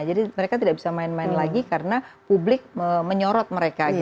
mereka tidak bisa main main lagi karena publik menyorot mereka